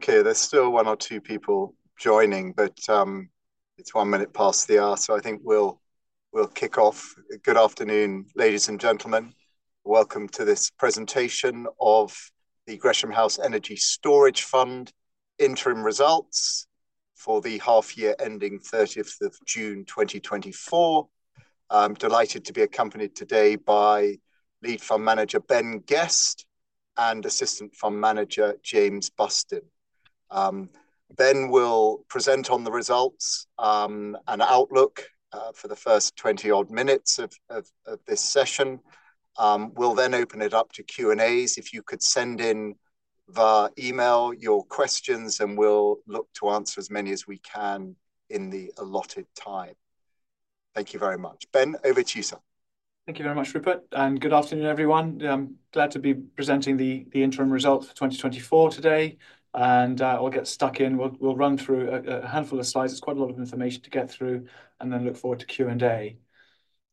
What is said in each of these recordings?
,Okey there's still one or two people joining, but it's one minute past the hour, so I think we'll kick off. Good afternoon, ladies and gentlemen. Welcome to this presentation of the Gresham House Energy Storage Fund interim results for the half year ending thirtieth of June, 2024. I'm delighted to be accompanied today by Lead Fund Manager, Ben Guest, and Assistant Fund Manager, James Bustin. Ben will present on the results and outlook for the first 20-odd minutes of this session. We'll then open it up to Q&As. If you could send in, via email, your questions, and we'll look to answer as many as we can in the allotted time. Thank you very much. Ben, over to you, sir. Thank you very much, Rupert, and good afternoon, everyone. I'm glad to be presenting the interim results for 2024 today, and I'll get stuck in. We'll run through a handful of slides. It's quite a lot of information to get through, and then look forward to Q&A.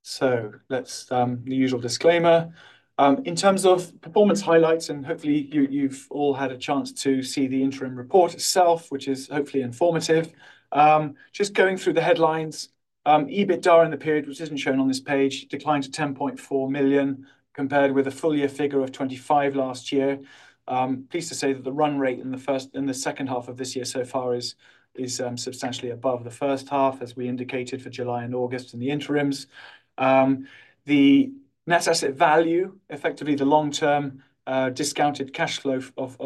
So let's the usual disclaimer. In terms of performance highlights, and hopefully you've all had a chance to see the interim report itself, which is hopefully informative. Just going through the headlines, EBITDA in the period, which isn't shown on this page, declined to 10.4 million, compared with a full year figure of 25 last year. Pleased to say that the run rate in the first... In the second half of this year so far is substantially above the first half, as we indicated for July and August in the interims. The net asset value, effectively the long-term discounted cash flow of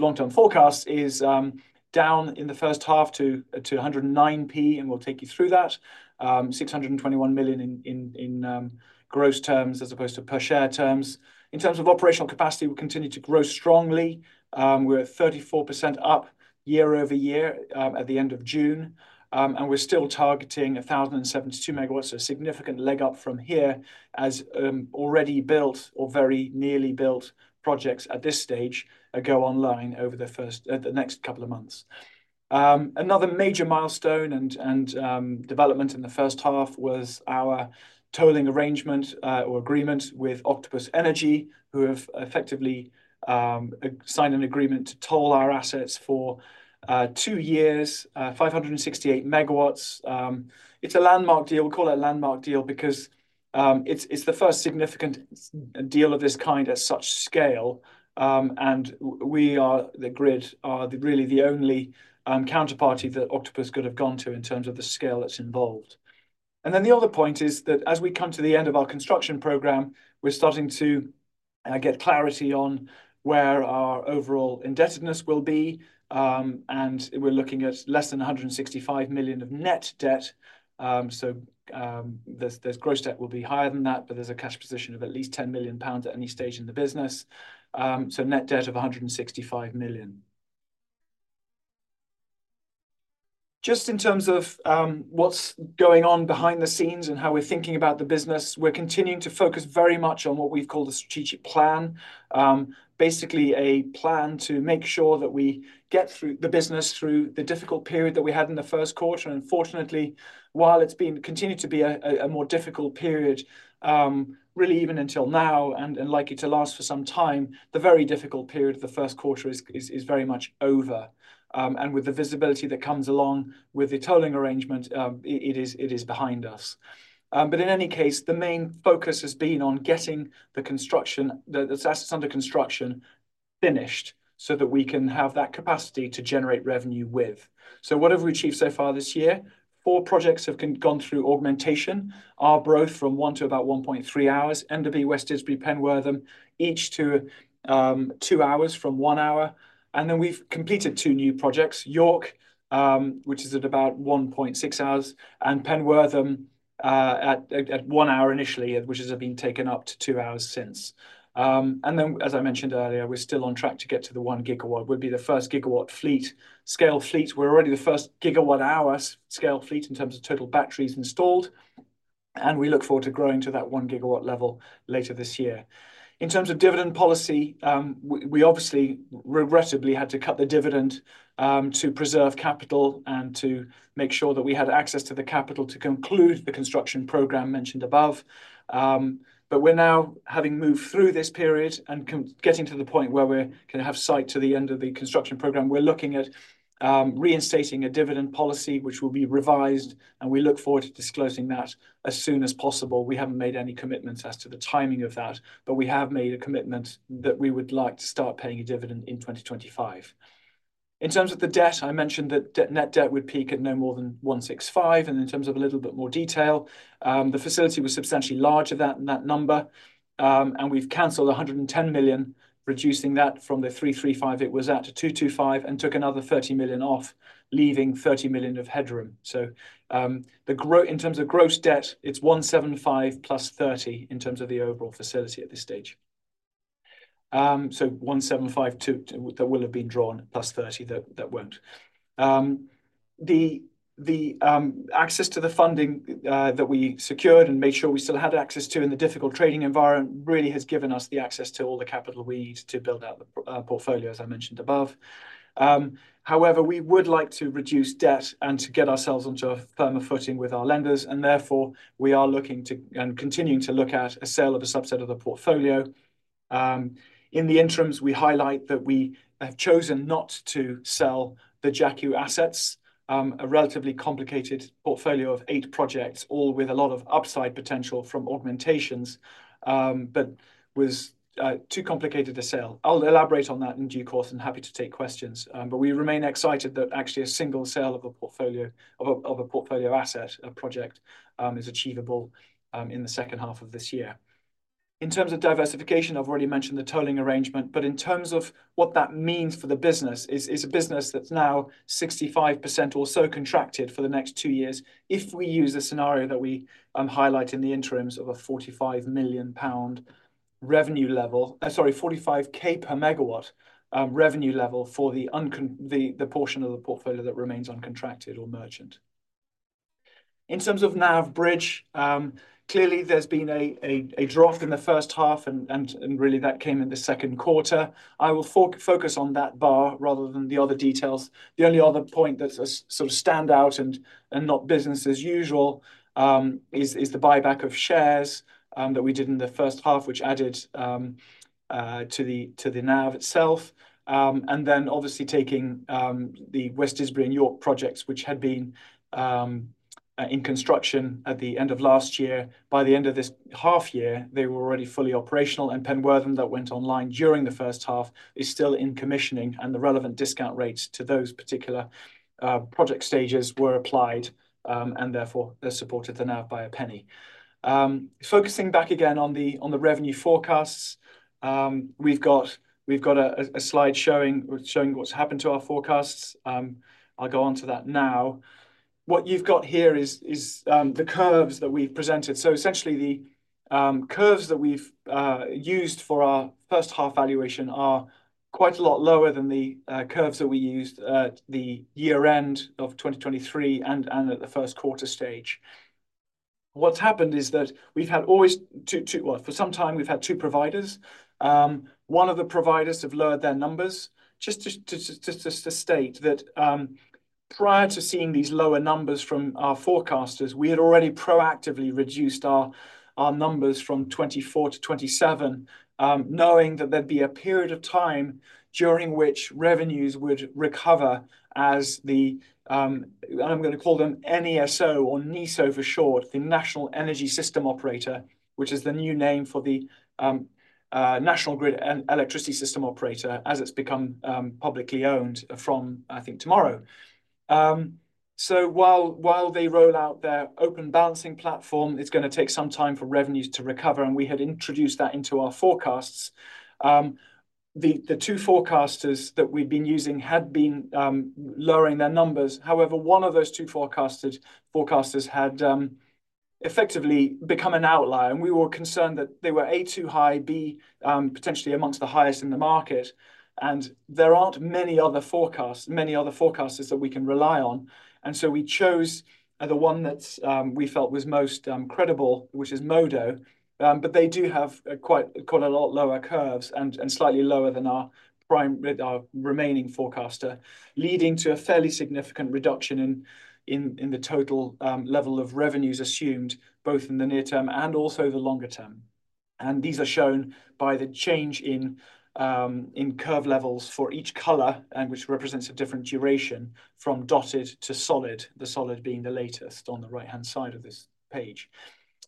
long-term forecasts is down in the first half to 109p, and we'll take you through that. 621 million in gross terms, as opposed to per share terms. In terms of operational capacity, we continue to grow strongly. We're at 34% up year over year at the end of June. And we're still targeting a thousand and 72 megawatts, a significant leg up from here as already built or very nearly built projects at this stage go online over the first, the next couple of months. Another major milestone and development in the first half was our tolling arrangement or agreement with Octopus Energy, who have effectively signed an agreement to toll our assets for two years, five hundred and 68 megawatts. It's a landmark deal. We call it a landmark deal because it's the first significant deal of this kind at such scale, and we are, the Grid, really the only counterparty that Octopus could have gone to in terms of the scale that's involved. Then the other point is that as we come to the end of our construction program, we're starting to get clarity on where our overall indebtedness will be. And we're looking at less than 165 million of net debt. So gross debt will be higher than that, but there's a cash position of at least 10 million pounds at any stage in the business. So net debt of 165 million. Just in terms of what's going on behind the scenes and how we're thinking about the business, we're continuing to focus very much on what we've called a strategic plan. Basically a plan to make sure that we get through the business through the difficult period that we had in the first quarter. Unfortunately, while it's been... continued to be a more difficult period, really even until now and likely to last for some time. The very difficult period of the first quarter is very much over, and with the visibility that comes along with the tolling arrangement, it is behind us. But in any case, the main focus has been on getting the construction, the assets under construction, finished so that we can have that capacity to generate revenue with. So what have we achieved so far this year? Four projects have gone through augmentation. Our growth from one to about one point three hours, Enderby, West Didsbury, Penwortham, each to two hours from one hour. And then we've completed two new projects, York, which is at about one point six hours, and Penwortham, at one hour initially, which has been taken up to two hours since. And then, as I mentioned earlier, we're still on track to get to the one gigawatt, would be the first gigawatt fleet, scale fleet. We're already the first gigawatt-hour scale fleet in terms of total batteries installed, and we look forward to growing to that one gigawatt level later this year. In terms of dividend policy, we obviously, regrettably, had to cut the dividend, to preserve capital and to make sure that we had access to the capital to conclude the construction program mentioned above. But we're now, having moved through this period, and getting to the point where we're gonna have sight to the end of the construction program, we're looking at reinstating a dividend policy, which will be revised, and we look forward to disclosing that as soon as possible. We haven't made any commitments as to the timing of that, but we have made a commitment that we would like to start paying a dividend in 2025. In terms of the debt, I mentioned that net debt would peak at no more than 165, and in terms of a little bit more detail, the facility was substantially larger than that number. We've canceled 110 million, reducing that from the 335 million it was at, to 225 million, and took another 30 million off, leaving 30 million of headroom. In terms of gross debt, it's 175 million plus 30 million in terms of the overall facility at this stage. 175 million, too, that will have been drawn, plus 30 million that won't. The access to the funding that we secured and made sure we still had access to in the difficult trading environment really has given us the access to all the capital we need to build out the portfolio, as I mentioned above. However, we would like to reduce debt and to get ourselves onto a firmer footing with our lenders, and therefore, we are looking to, and continuing to look at, a sale of a subset of the portfolio. In the interims, we highlight that we have chosen not to sell the JACU assets, a relatively complicated portfolio of eight projects, all with a lot of upside potential from augmentations, but was too complicated to sell. I'll elaborate on that in due course and happy to take questions. But we remain excited that actually a single sale of a portfolio asset, a project, is achievable in the second half of this year. In terms of diversification, I've already mentioned the tolling arrangement, but in terms of what that means for the business, it's a business that's now 65% or so contracted for the next two years. If we use the scenario that we highlight in the interims of a 45 million pound revenue level. Sorry, 45 K per megawatt revenue level for the portion of the portfolio that remains uncontracted or merchant. In terms of NAV bridge, clearly there's been a drop in the first half, and really that came in the second quarter. I will focus on that bar rather than the other details. The only other point that's sort of stand out and not business as usual is the buyback of shares that we did in the first half, which added to the NAV itself. Then obviously taking the West Didsbury and York projects, which had been in construction at the end of last year. By the end of this half year, they were already fully operational, and Penwortham, that went online during the first half, is still in commissioning, and the relevant discount rates to those particular project stages were applied, and therefore, they supported the NAV by a penny. Focusing back again on the revenue forecasts, we've got a slide showing what's happened to our forecasts. I'll go on to that now. What you've got here is the curves that we've presented. So essentially, the curves that we've used for our first half valuation are quite a lot lower than the curves that we used at the year-end of 2023 and at the first quarter stage. What's happened is that we've had always two. Well, for some time, we've had two providers. One of the providers have lowered their numbers. Just to state that, prior to seeing these lower numbers from our forecasters, we had already proactively reduced our numbers from 2024 to 2027, knowing that there'd be a period of time during which revenues would recover as the, I'm gonna call them N-E-S-O or NESO for short, the National Energy System Operator, which is the new name for the National Grid ESO, as it's become publicly owned from, I think, tomorrow. So while they roll out their Open Balancing Platform, it's gonna take some time for revenues to recover, and we had introduced that into our forecasts. The two forecasters that we've been using had been lowering their numbers. However, one of those two forecasters had effectively become an outlier, and we were concerned that they were, A, too high, B, potentially among the highest in the market. There aren't many other forecasters that we can rely on, and so we chose the one that we felt was most credible, which is Modo. But they do have quite a lot lower curves and slightly lower than our prime remaining forecaster, leading to a fairly significant reduction in the total level of revenues assumed, both in the near term and also the longer term. These are shown by the change in curve levels for each color, which represents a different duration from dotted to solid, the solid being the latest on the right-hand side of this page.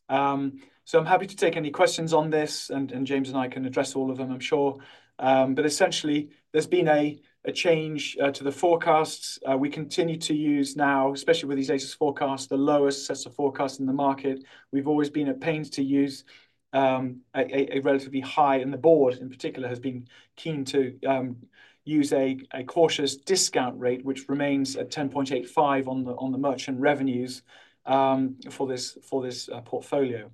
So I'm happy to take any questions on this, and James and I can address all of them, I'm sure. But essentially, there's been a change to the forecasts. We continue to use now, especially with these BESS forecasts, the lowest sets of forecasts in the market. We've always been at pains to use a relatively high, and the board, in particular, has been keen to use a cautious discount rate, which remains at 10.85 on the merchant revenues for this portfolio.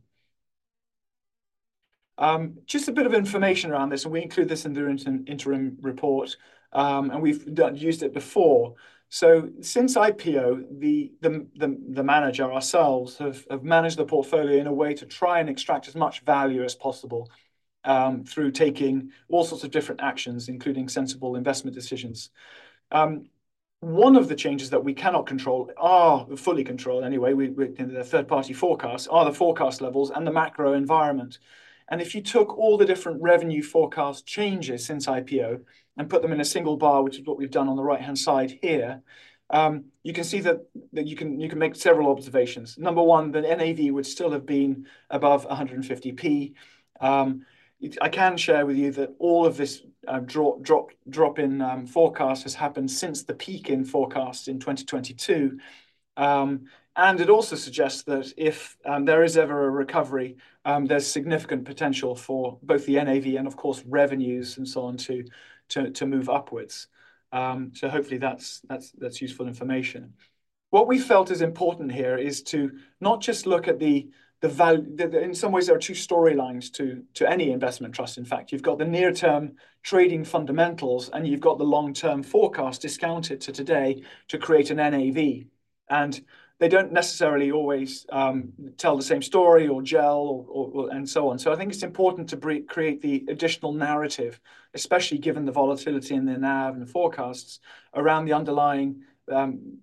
Just a bit of information around this, and we include this in the interim report, and we've used it before. So since IPO, the manager, ourselves, have managed the portfolio in a way to try and extract as much value as possible, through taking all sorts of different actions, including sensible investment decisions. One of the changes that we cannot control, or fully control anyway, with the third-party forecasts, are the forecast levels and the macro environment. And if you took all the different revenue forecast changes since IPO and put them in a single bar, which is what we've done on the right-hand side here, you can see that you can make several observations. Number one, the NAV would still have been above a 150P. I can share with you that all of this drop in forecast has happened since the peak in forecasts in 2022. And it also suggests that if there is ever a recovery, there's significant potential for both the NAV and, of course, revenues and so on to move upwards. So hopefully that's useful information. What we felt is important here is to not just look at the valuation. In some ways, there are two storylines to any investment trust, in fact. You've got the near-term trading fundamentals, and you've got the long-term forecast discounted to today to create an NAV. And they don't necessarily always tell the same story or gel or and so on. So I think it's important to create the additional narrative, especially given the volatility in the NAV and the forecasts around the underlying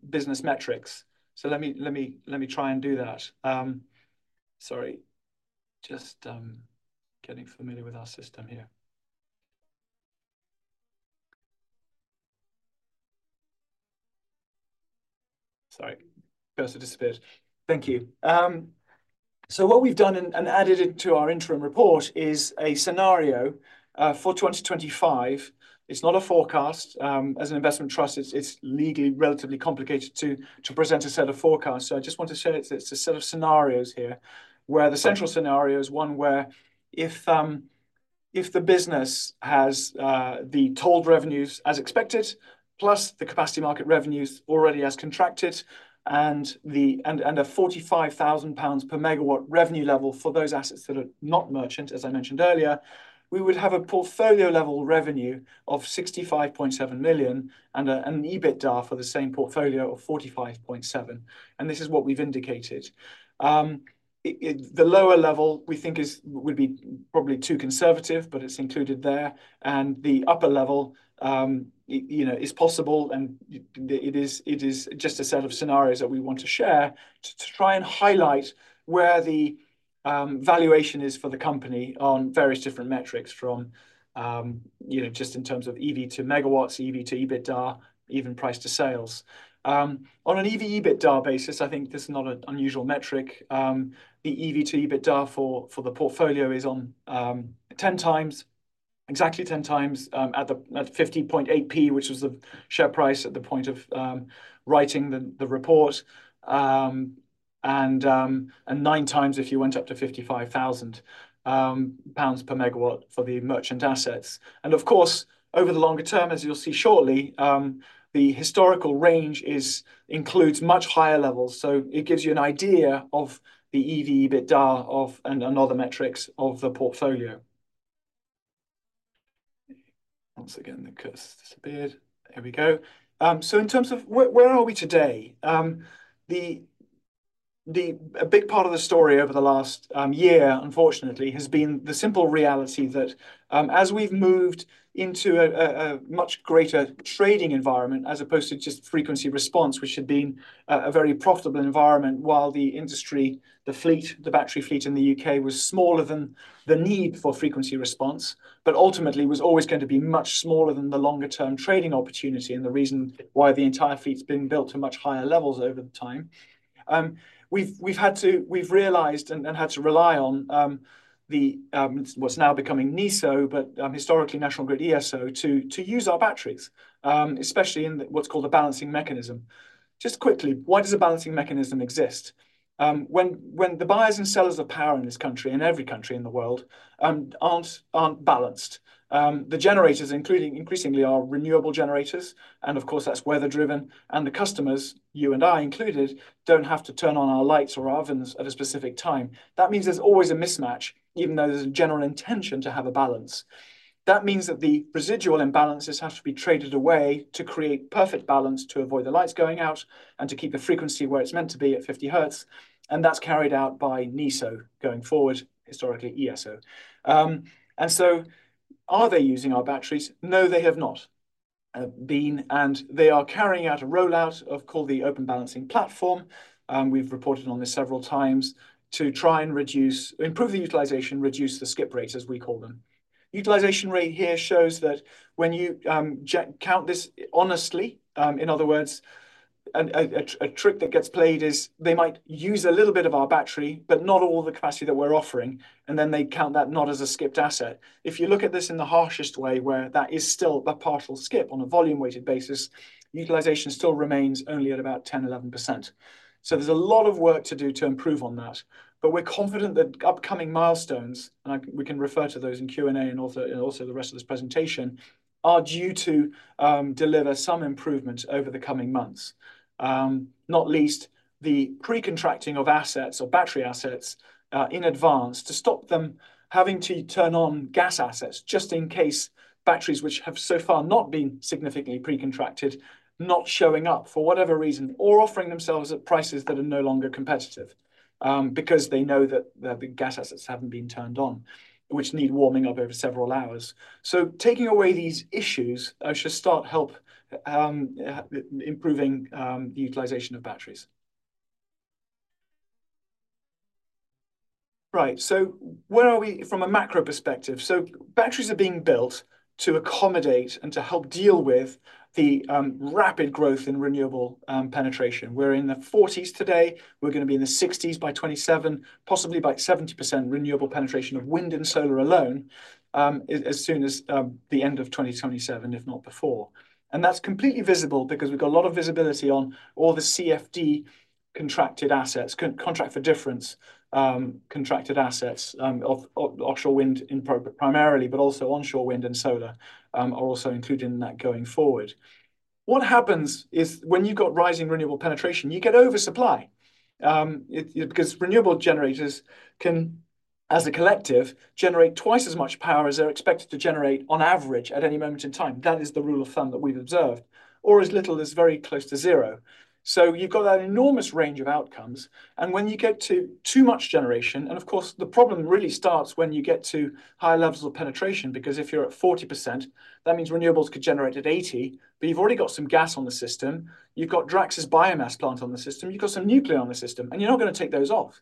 business metrics. So let me try and do that. Sorry, just getting familiar with our system here. Sorry, cursor disappeared. Thank you. So what we've done and added it to our interim report is a scenario for 2025. It's not a forecast. As an investment trust, it's legally relatively complicated to present a set of forecasts. So I just want to share that it's a set of scenarios here, where the central scenario is one where if the business has the tolled revenues as expected, plus the capacity market revenues already as contracted, and a 45,000 pounds per megawatt revenue level for those assets that are not merchant, as I mentioned earlier, we would have a portfolio-level revenue of 65.7 million and an EBITDA for the same portfolio of 45.7 million, and this is what we've indicated. The lower level we think would be probably too conservative, but it's included there, and the upper level, you know, is possible, and it is just a set of scenarios that we want to share to try and highlight where the valuation is for the company on various different metrics from, you know, just in terms of EV to megawatts, EV to EBITDA, even price to sales. On an EV/EBITDA basis, I think this is not an unusual metric. The EV to EBITDA for the portfolio is on ten times, exactly ten times, at 50.8p, which was the share price at the point of writing the report. And nine times if you went up to 55,000 pounds per megawatt for the merchant assets. Of course, over the longer term, as you'll see shortly, the historical range includes much higher levels, so it gives you an idea of the EV/EBITDA of, and other metrics of the portfolio. Once again, the cursor disappeared. Here we go. So in terms of where are we today? The...A big part of the story over the last year, unfortunately, has been the simple reality that, as we've moved into a much greater trading environment, as opposed to just frequency response, which had been a very profitable environment while the industry, the fleet, the battery fleet in the UK was smaller than the need for frequency response, But ultimately was always going to be much smaller than the longer-term trading opportunity and the reason why the entire fleet's been built to much higher levels over the time. We've realized and had to rely on the what's now becoming NESO, but historically, National Grid ESO, to use our batteries, especially in the what's called a Balancing Mechanism. Just quickly, why does a Balancing Mechanism exist? When the buyers and sellers of power in this country, and every country in the world, aren't balanced, the generators, including increasingly, our renewable generators, and of course, that's weather-driven, and the customers, you and I included, don't have to turn on our lights or ovens at a specific time. That means there's always a mismatch, even though there's a general intention to have a balance. That means that the residual imbalances have to be traded away to create perfect balance, to avoid the lights going out, and to keep the frequency where it's meant to be at 50 hertz, and that's carried out by NESO going forward, historically, ESO. And so are they using our batteries? No, they have not been, and they are carrying out a rollout of, called the Open Balancing Platform. We've reported on this several times, to try and reduce, improve the utilization, reduce the skip rates, as we call them. Utilization rate here shows that when you check, count this honestly, in other words, and a trick that gets played is they might use a little bit of our battery, but not all the capacity that we're offering, and then they count that not as a skipped asset. If you look at this in the harshest way, where that is still a partial skip on a volume-weighted basis, utilization still remains only at about 10 to 11%. So there's a lot of work to do to improve on that. But we're confident that upcoming milestones, we can refer to those in Q&A and also the rest of this presentation, are due to deliver some improvements over the coming months. Not least the pre-contracting of assets or battery assets in advance to stop them having to turn on gas assets just in case batteries which have so far not been significantly pre-contracted, not showing up for whatever reason, or offering themselves at prices that are no longer competitive because they know that the gas assets haven't been turned on, which need warming up over several hours. So taking away these issues should start help improving the utilization of batteries. Right, so where are we from a macro perspective? So batteries are being built to accommodate and to help deal with the rapid growth in renewable penetration. We're in the 40s today. We're gonna be in the 60s by 2027, possibly by 70% renewable penetration of wind and solar alone, as soon as the end of 2027, if not before. And that's completely visible because we've got a lot of visibility on all the CfD contracted assets, Contract for Difference, contracted assets, of offshore wind primarily, but also onshore wind and solar, are also included in that going forward. What happens is, when you've got rising renewable penetration, you get oversupply because renewable generators can, as a collective, generate twice as much power as they're expected to generate on average at any moment in time. That is the rule of thumb that we've observed, or as little as very close to zero. So you've got that enormous range of outcomes, and when you get to too much generation, and of course, the problem really starts when you get to higher levels of penetration, because if you're at 40%, that means renewables could generate at 80, but you've already got some gas on the system, you've got Drax's biomass plant on the system, you've got some nuclear on the system, and you're not gonna take those off.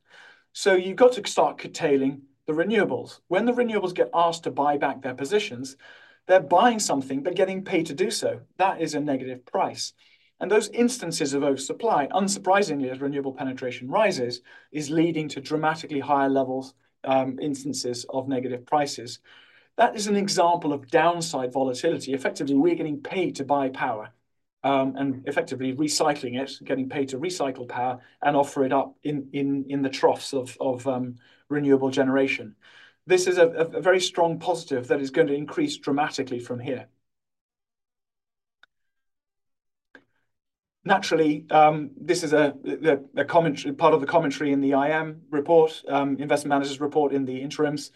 So you've got to start curtailing the renewables. When the renewables get asked to buy back their positions, they're buying something, but getting paid to do so. That is a negative price, and those instances of oversupply, unsurprisingly, as renewable penetration rises, is leading to dramatically higher levels, instances of negative prices. That is an example of downside volatility. Effectively, we're getting paid to buy power, and effectively recycling it, getting paid to recycle power and offer it up in the troughs of renewable generation. This is a very strong positive that is going to increase dramatically from here. Naturally, this is a commentary, part of the commentary in the IM report, Investment Manager's Report in the interims.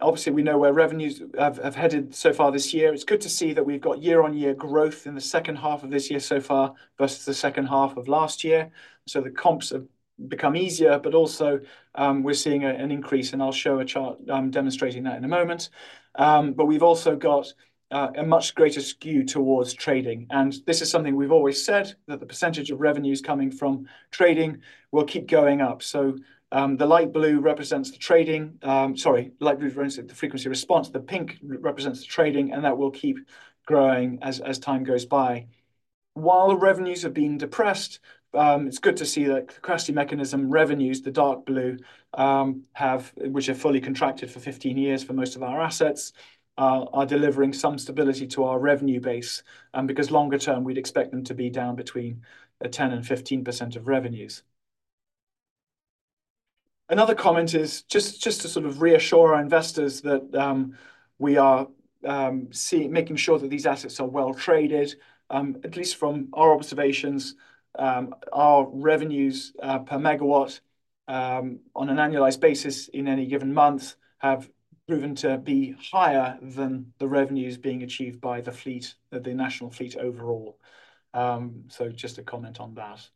Obviously, we know where revenues have headed so far this year. It's good to see that we've got year-on-year growth in the second half of this year so far, versus the second half of last year. So the comps have become easier, but also, we're seeing an increase, and I'll show a chart demonstrating that in a moment. But we've also got a much greater skew towards trading, and this is something we've always said, that the percentage of revenues coming from trading will keep going up. So, the light blue represents the trading, sorry, light blue represents the frequency response. The pink represents the trading, and that will keep growing as time goes by. While the revenues have been depressed, it's good to see that Capacity Market revenues, the dark blue, have, which are fully contracted for 15 years for most of our assets, are delivering some stability to our revenue base, because longer term, we'd expect them to be down between 10% and 15% of revenues. Another comment is just to sort of reassure our investors that we are making sure that these assets are well-traded. At least from our observations, our revenues per megawatt, on an annualized basis in any given month, have proven to be higher than the revenues being achieved by the fleet, the national fleet overall. So just to comment on that.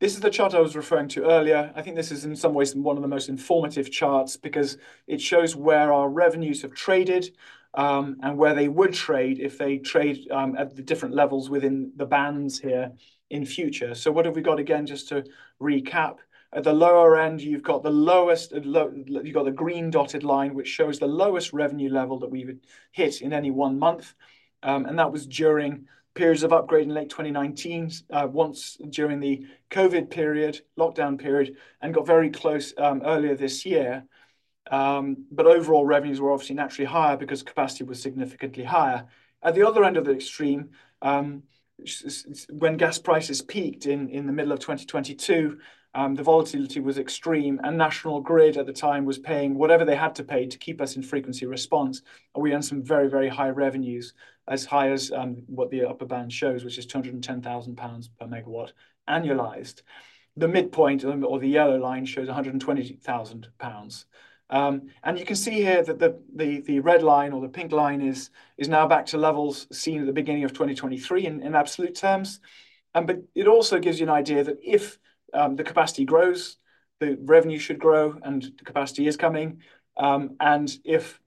This is the chart I was referring to earlier. I think this is, in some ways, one of the most informative charts because it shows where our revenues have traded, and where they would trade if they trade at the different levels within the bands here in future. So what have we got? Again, just to recap, at the lower end, you've got the green dotted line, which shows the lowest revenue level that we would hit in any one month. And that was during periods of upgrade in late 2019, once during the COVID period, lockdown period, and got very close earlier this year. But overall, revenues were obviously naturally higher because capacity was significantly higher. At the other end of the extreme, when gas prices peaked in the middle of 2022, the volatility was extreme, and National Grid at the time was paying whatever they had to pay to keep us in frequency response. And we earned some very, very high revenues, as high as what the upper band shows, which is 210,000 pounds per megawatt, annualized. The midpoint, or the yellow line, shows 120,000 pounds. And you can see here that the red line or the pink line is now back to levels seen at the beginning of 2023 in absolute terms. But it also gives you an idea that if the capacity grows, the revenue should grow, and the capacity is coming. And if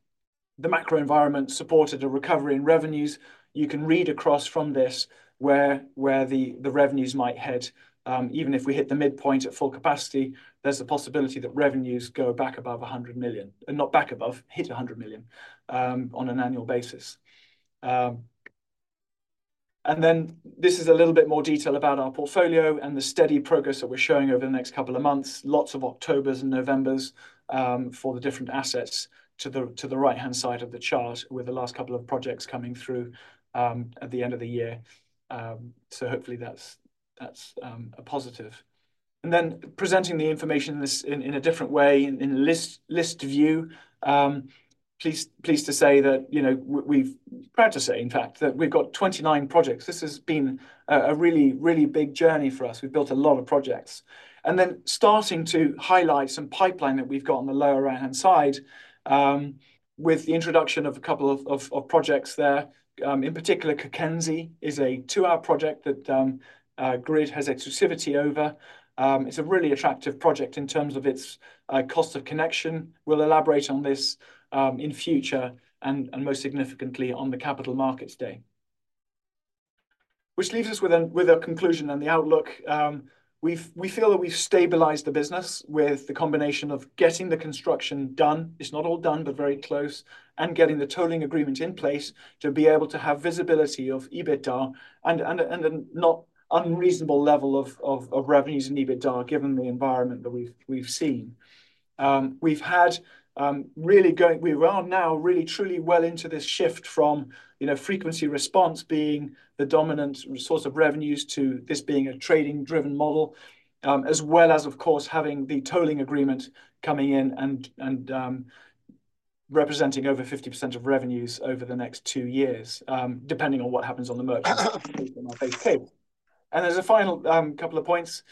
the macro environment supported a recovery in revenues, you can read across from this where the revenues might head. Even if we hit the midpoint at full capacity, there's a possibility that revenues hit 100 million on an annual basis. And then this is a little bit more detail about our portfolio and the steady progress that we're showing over the next couple of months. Lots of Octobers and Novembers for the different assets to the right-hand side of the chart, with the last couple of projects coming through at the end of the year. So hopefully that's a positive. And then presenting the information in this in a different way in a list view. Pleased to say that, you know, proud to say, in fact, that we've got 29 projects. This has been a really big journey for us. We've built a lot of projects. And then starting to highlight some pipeline that we've got on the lower right-hand side with the introduction of a couple of projects there. In particular, Cockenzie is a 2 hour project that Grid has exclusivity over. It's a really attractive project in terms of its cost of connection. We'll elaborate on this in future, and most significantly, on the capital markets day. Which leaves us with a conclusion and the outlook. We've- we feel that we've stabilized the business with the combination of getting the construction done. It's not all done, but very close, and getting the tolling agreement in place to be able to have visibility of EBITDA and a not unreasonable level of revenues and EBITDA, given the environment that we've seen. We've had really going- we are now really, truly well into this shift from, you know, frequency response being the dominant source of revenues, to this being a trading-driven model. As well as, of course, having the tolling agreement coming in and representing over 50% of revenues over the next two years, depending on what happens on the merchant on our forecast. There's a final couple of points.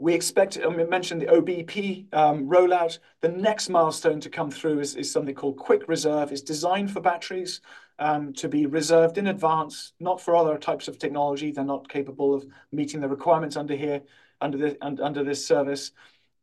We expect, and we mentioned the OBP rollout. The next milestone to come through is something called Quick Reserve. It's designed for batteries to be reserved in advance, not for other types of technology. They're not capable of meeting the requirements under this service,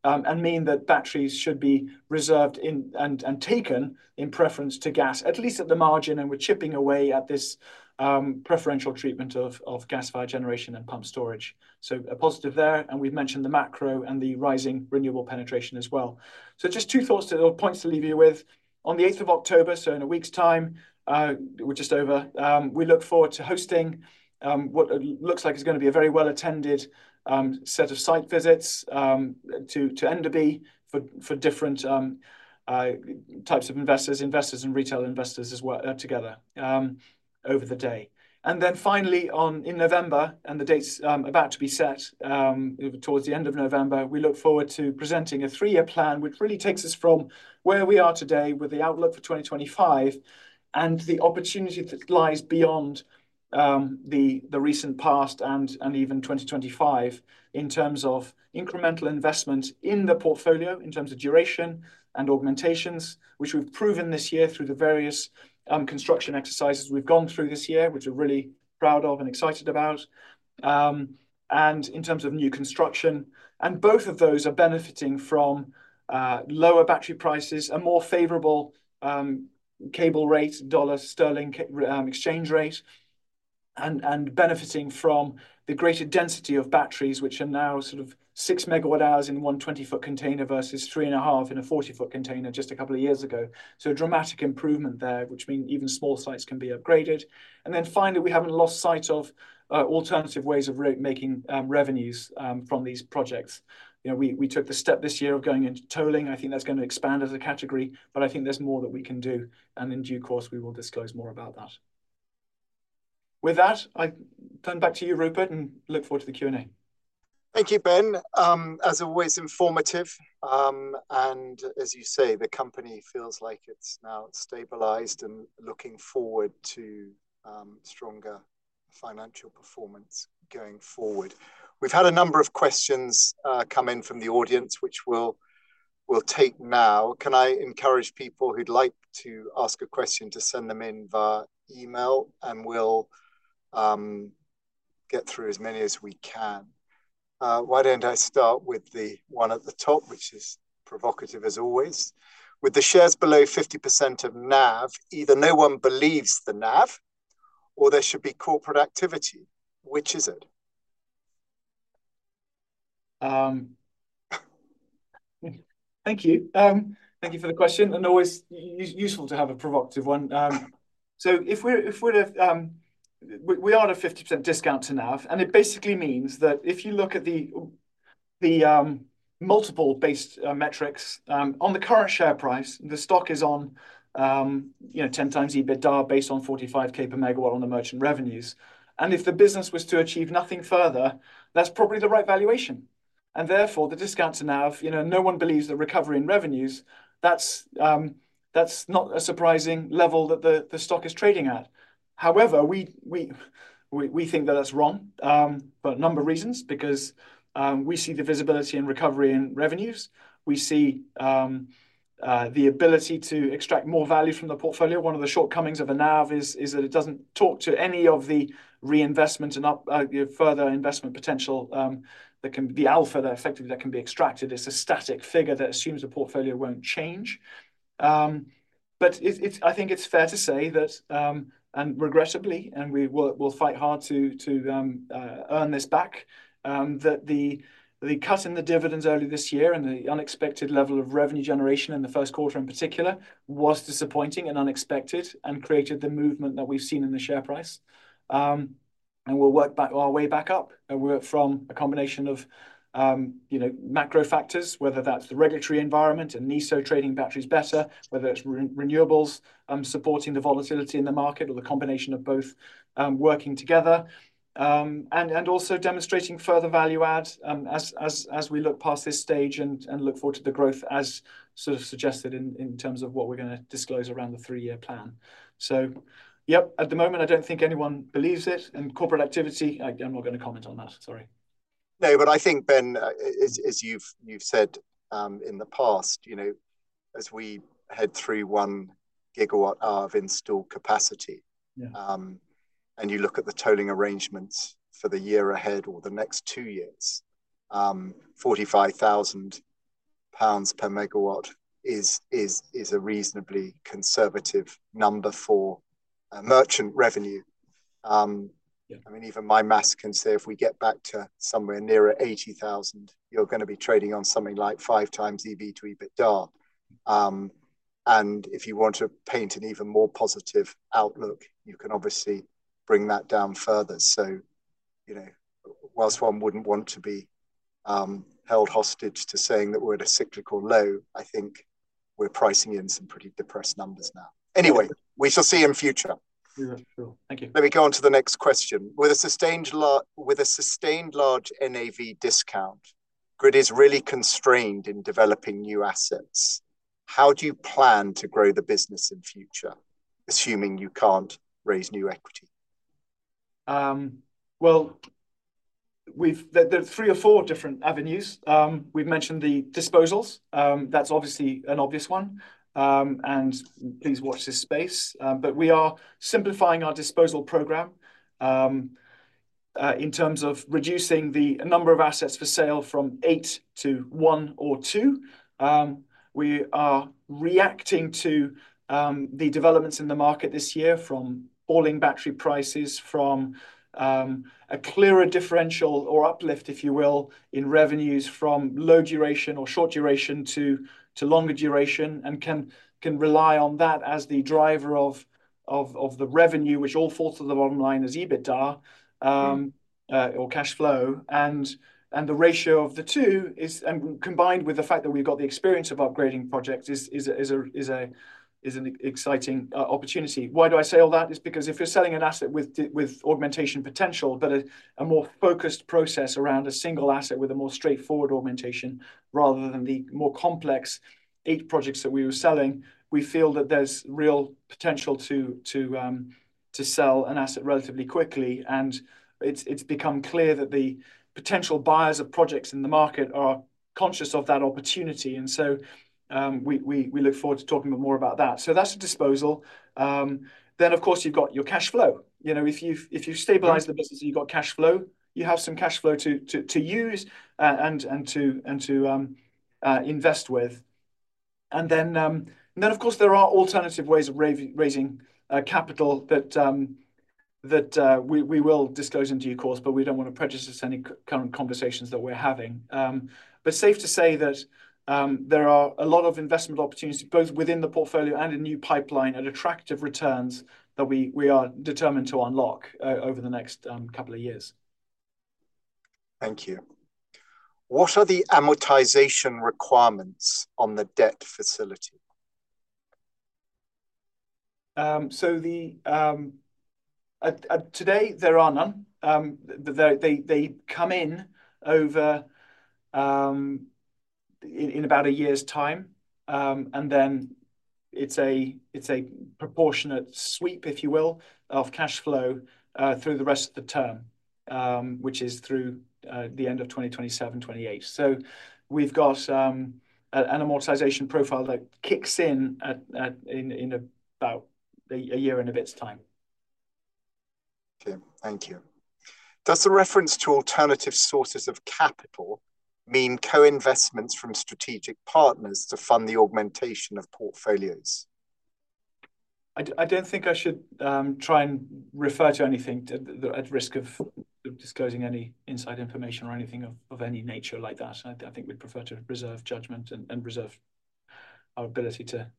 and mean that batteries should be reserved in and taken in preference to gas, at least at the margin, and we're chipping away at this preferential treatment of gas-fired generation and pumped storage. A positive there, and we've mentioned the macro and the rising renewable penetration as well. Just two thoughts or points to leave you with. On the eighth of October, so in a week's time, or just over, we look forward to hosting what looks like is gonna be a very well-attended set of site visits to Enderby for different types of investors and retail investors as well, together over the day. Then finally, in November, and the date's about to be set towards the end of November, we look forward to presenting a 3 year plan, which really takes us from where we are today with the outlook for 2025. And the opportunity that lies beyond the recent past and even 2025, in terms of incremental investment in the portfolio, in terms of duration and augmentations, which we've proven this year through the various construction exercises we've gone through this year, which we're really proud of and excited about. And in terms of new construction, and both of those are benefiting from lower battery prices, a more favorable cable rate, dollar-sterling exchange rate, and benefiting from the greater density of batteries, which are now sort of six megawatt hours in one 20-foot container versus three and a half in a 40-foot container just a couple of years ago. So a dramatic improvement there, which mean even small sites can be upgraded. And then finally, we haven't lost sight of alternative ways of making revenues from these projects. You know, we took the step this year of going into tolling. I think that's gonna expand as a category, but I think there's more that we can do, and in due course, we will disclose more about that. With that, I turn back to you, Rupert, and look forward to the Q&A. Thank you, Ben. As always, informative, and as you say, the company feels like it's now stabilized and looking forward to stronger financial performance going forward. We've had a number of questions come in from the audience, which we'll take now. Can I encourage people who'd like to ask a question to send them in via email, and we'll get through as many as we can? Why don't I start with the one at the top, which is provocative, as always. "With the shares below 50% of NAV, either no one believes the NAV or there should be corporate activity. Which is it? Thank you. Thank you for the question, and always useful to have a provocative one. So if we're at a 50% discount to NAV, and it basically means that if you look at the multiple-based metrics on the current share price, the stock is on, you know, 10 times EBITDA, based on 45p per megawatt on the merchant revenues. And if the business was to achieve nothing further, that's probably the right valuation, and therefore, the discount to NAV, you know, no one believes the recovery in revenues, that's not a surprising level that the stock is trading at. However, we think that that's wrong for a number of reasons, because we see the visibility and recovery in revenues. We see the ability to extract more value from the portfolio. One of the shortcomings of a NAV is that it doesn't talk to any of the reinvestment and further investment potential that can be extracted. The alpha that effectively can be extracted. It's a static figure that assumes the portfolio won't change, but I think it's fair to say that, and regrettably, we'll fight hard to earn this back, that the cut in the dividends earlier this year and the unexpected level of revenue generation in the first quarter, in particular, was disappointing and unexpected and created the movement that we've seen in the share price. And we'll work our way back up, and work from a combination of, you know, macro factors, whether that's the regulatory environment and NESO trading batteries better, whether it's renewables supporting the volatility in the market or the combination of both working together. And also demonstrating further value add as we look past this stage and look forward to the growth as sort of suggested in terms of what we're gonna disclose around the 3 year plan. So yep, at the moment, I don't think anyone believes it, and corporate activity, I'm not gonna comment on that, sorry. No, but I think, Ben, as you've said, in the past, you know, as we head through 1 gigawatt-hour of installed capacity- Yeah... and you look at the tolling arrangements for the year ahead or the next two years, 45,000 pounds per megawatt is a reasonably conservative number for merchant revenue. Yeah ... I mean, even my math can say if we get back to somewhere nearer eighty thousand, you're gonna be trading on something like five times EBITDA. And if you want to paint an even more positive outlook, you can obviously bring that down further. So, you know, whilst one wouldn't want to be held hostage to saying that we're at a cyclical low, I think we're pricing in some pretty depressed numbers now. Anyway, we shall see in future. Yeah, sure. Thank you. Let me go on to the next question: With a sustained large NAV discount, Grid is really constrained in developing new assets. How do you plan to grow the business in future, assuming you can't raise new equity?... Well, there are three or four different avenues. We've mentioned the disposals. That's obviously an obvious one. And please watch this space. But we are simplifying our disposal program in terms of reducing the number of assets for sale from eight to one or two. We are reacting to the developments in the market this year, from falling battery prices, from a clearer differential or uplift, if you will, in revenues from low duration or short duration to longer duration, and can rely on that as the driver of the revenue which all falls to the bottom line as EBITDA or cash flow. The ratio of the two is and combined with the fact that we've got the experience of upgrading projects is an exciting opportunity. Why do I say all that? It's because if you're selling an asset with augmentation potential but a more focused process around a single asset with a more straightforward augmentation rather than the more complex eight projects that we were selling we feel that there's real potential to sell an asset relatively quickly. And it's become clear that the potential buyers of projects in the market are conscious of that opportunity. And so we look forward to talking more about that. So that's a disposal. Then of course you've got your cash flow. You know, if you've stabilized the business and you've got cash flow, you have some cash flow to use and to invest with. And then, of course, there are alternative ways of raising capital that we will disclose in due course, but we don't want to prejudice any current conversations that we're having. But safe to say that there are a lot of investment opportunities, both within the portfolio and in new pipeline, at attractive returns that we are determined to unlock over the next couple of years. Thank you. What are the amortization requirements on the debt facility? So today there are none. They come in over in about a year's time. And then it's a proportionate sweep, if you will, of cash flow through the rest of the term, which is through the end of 2027, 2028. So we've got an amortization profile that kicks in at in about a year and a bit's time. Okay. Thank you. Does the reference to alternative sources of capital mean co-investments from strategic partners to fund the augmentation of portfolios? I don't think I should try and refer to anything at risk of disclosing any inside information or anything of any nature like that. I think we'd prefer to reserve judgment and reserve our ability to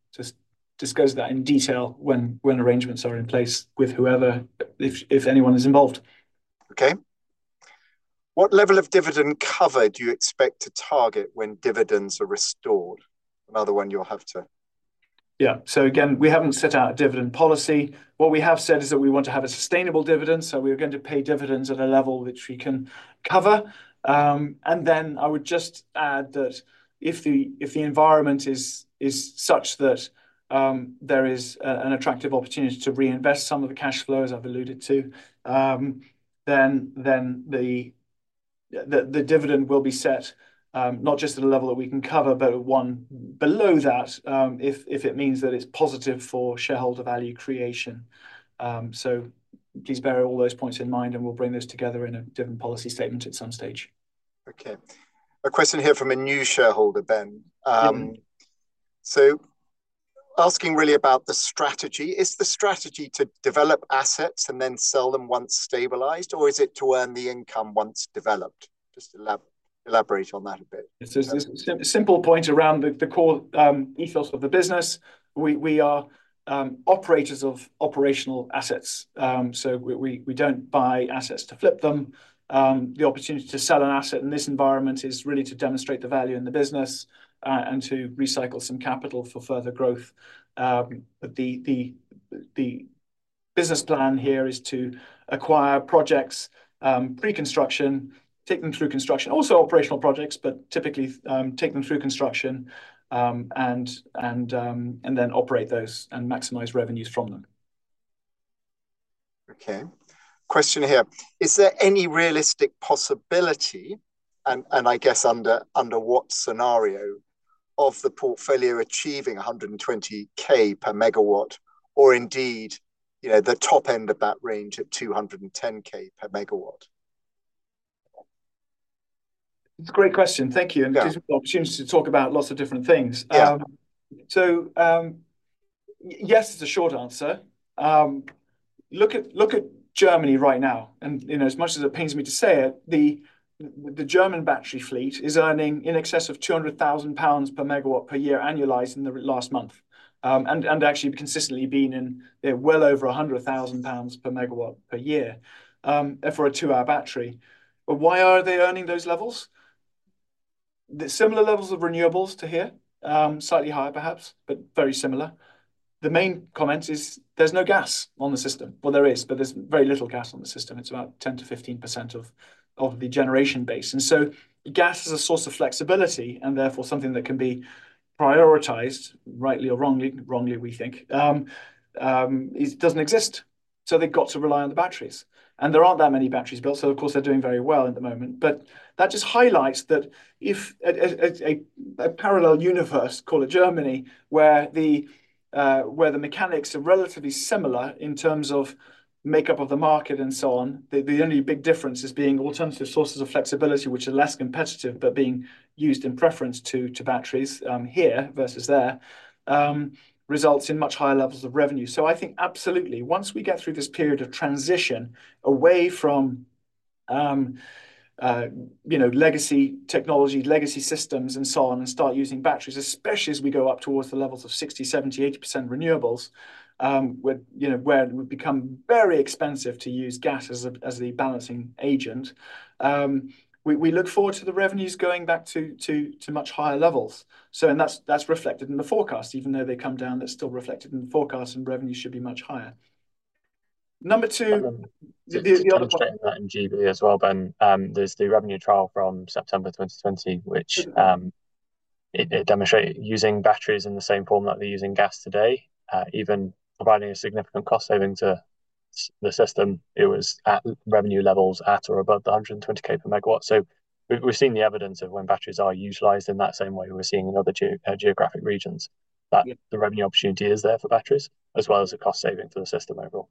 discuss that in detail when arrangements are in place with whoever, if anyone is involved. Okay. What level of dividend cover do you expect to target when dividends are restored? Another one you'll have to... Yeah, so again, we haven't set out a dividend policy. What we have said is that we want to have a sustainable dividend, so we're going to pay dividends at a level which we can cover, and then I would just add that if the environment is such that there is an attractive opportunity to reinvest some of the cash flow, as I've alluded to, then the dividend will be set not just at a level that we can cover, but one below that, if it means that it's positive for shareholder value creation, so please bear all those points in mind, and we'll bring those together in a dividend policy statement at some stage. Okay. A question here from a new shareholder then. Mm. So, asking really about the strategy: Is the strategy to develop assets and then sell them once stabilized, or is it to earn the income once developed? Just elaborate on that a bit. It's a simple point around the core ethos of the business. We are operators of operational assets. So we don't buy assets to flip them. The opportunity to sell an asset in this environment is really to demonstrate the value in the business and to recycle some capital for further growth. But the business plan here is to acquire projects pre-construction, take them through construction, also operational projects, but typically take them through construction and then operate those and maximize revenues from them. Okay. Question here: Is there any realistic possibility, and I guess under what scenario, of the portfolio achieving 120K per megawatt or indeed, you know, the top end of that range at 210K per megawatt? It's a great question. Thank you. Yeah. It gives me an opportunity to talk about lots of different things. Yeah. Yes, is the short answer. Look at Germany right now, and you know, as much as it pains me to say it, the German battery fleet is earning in excess of 200,000 pounds per megawatt per year, annualized in the last month, and actually consistently been in well over 100,000 pounds per megawatt per year, for a 2 hour battery. But why are they earning those levels? There's similar levels of renewables to here, slightly higher perhaps, but very similar. The main comment is there's no gas on the system. Well, there is, but there's very little gas on the system. It's about 10% to 15% of the generation base. And so gas is a source of flexibility and therefore something that can be prioritized, rightly or wrongly. Wrongly, we think. It doesn't exist, so they've got to rely on the batteries, and there aren't that many batteries built, so of course, they're doing very well at the moment. But that just highlights that if a parallel universe, call it Germany, where the mechanics are relatively similar in terms of makeup of the market and so on, the only big difference is being alternative sources of flexibility, which are less competitive, but being used in preference to batteries, here versus there, results in much higher levels of revenue. So I think absolutely, once we get through this period of transition away from you know, legacy technology, legacy systems, and so on, and start using batteries, especially as we go up towards the levels of 60, 70, 80% renewables, where you know, where it would become very expensive to use gas as the balancing agent. We look forward to the revenues going back to much higher levels. And that's reflected in the forecast. Even though they've come down, that's still reflected in the forecast, and revenues should be much higher. Number two, the other-... In GB as well, then, there's the revenue trial from September 2020, which, it demonstrated using batteries in the same form that we're using gas today, even providing a significant cost saving to the system. It was at revenue levels at or above the 120K per megawatt. So we, we've seen the evidence of when batteries are utilized in that same way we're seeing in other geographic regions, that- Yep... the revenue opportunity is there for batteries, as well as a cost saving for the system overall.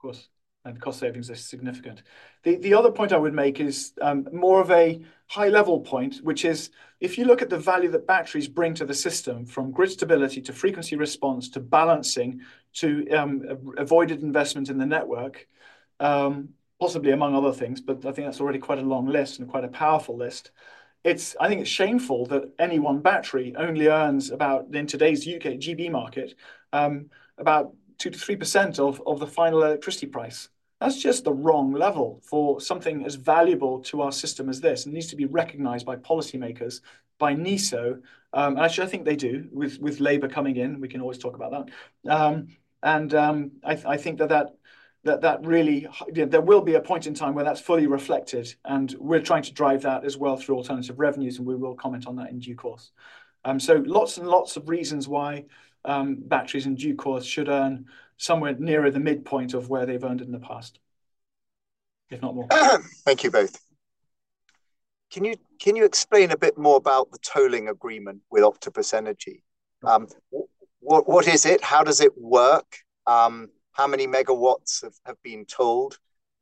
Of course, and cost savings are significant. The other point I would make is more of a high-level point, which is if you look at the value that batteries bring to the system, from grid stability to frequency response, to balancing, to avoided investment in the network, possibly among other things, but I think that's already quite a long list and quite a powerful list. It's... I think it's shameful that any one battery only earns about, in today's UK GB market, about 2 to 3% of the final electricity price. That's just the wrong level for something as valuable to our system as this, and it needs to be recognized by policymakers, by NESO, actually, I think they do, with Labour coming in, we can always talk about that. I think that really... There will be a point in time where that's fully reflected, and we're trying to drive that as well through alternative revenues, and we will comment on that in due course. So lots and lots of reasons why, batteries in due course should earn somewhere nearer the midpoint of where they've earned in the past, if not more. Thank you both. Can you explain a bit more about the tolling agreement with Octopus Energy? What is it? How does it work? How many megawatts have been tolled?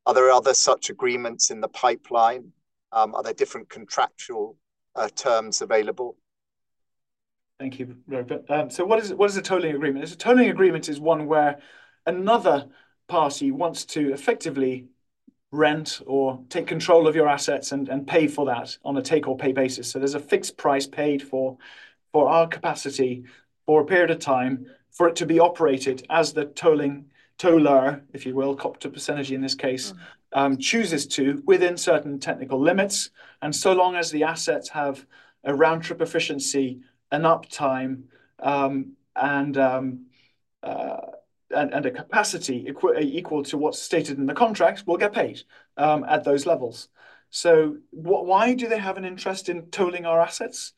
Are there other such agreements in the pipeline? Are there different contractual terms available? Thank you, Rupert. So what is a tolling agreement? A tolling agreement is one where another party wants to effectively rent or take control of your assets and pay for that on a take-or-pay basis. So there's a fixed price paid for our capacity for a period of time, for it to be operated as the tolling toller, if you will, Octopus Energy, in this case, chooses to, within certain technical limits, and so long as the assets have a round-trip efficiency and uptime and a capacity equal to what's stated in the contract, we'll get paid at those levels. So why do they have an interest in tolling our assets?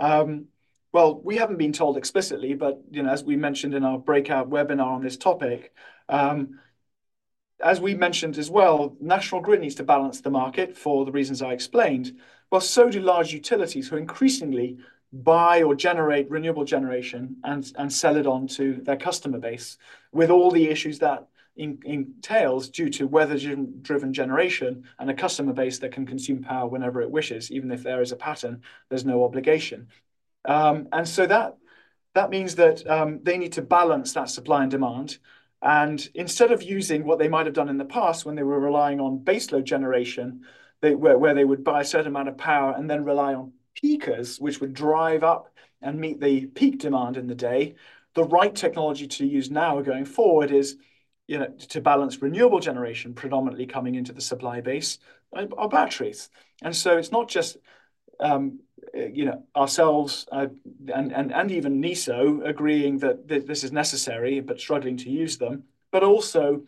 Well, we haven't been told explicitly, but you know, as we mentioned in our breakout webinar on this topic, as we mentioned as well, National Grid needs to balance the market for the reasons I explained. So do large utilities, who increasingly buy or generate renewable generation and sell it on to their customer base, with all the issues that entails due to weather-driven generation and a customer base that can consume power whenever it wishes, even if there is a pattern, there's no obligation, and so that means that they need to balance that supply and demand, and instead of using what they might have done in the past when they were relying on baseload generation, they... where they would buy a certain amount of power and then rely on peakers, which would drive up and meet the peak demand in the day, the right technology to use now going forward is, you know, to balance renewable generation, predominantly coming into the supply base, are batteries. And so it's not just, you know, ourselves and even NESO agreeing that this is necessary, but struggling to use them, but also